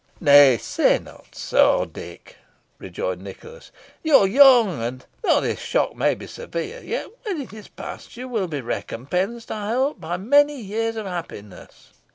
"Nay, say not so, Dick," rejoined Nicholas; "you are young, and, though this shock may be severe, yet when it is passed, you will be recompensed, I hope, by many years of happiness."